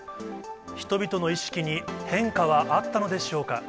人々の意識に変化はあったのでしょうか。